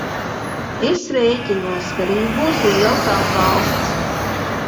Es rēķinos, ka rīt būs liels atbalsts.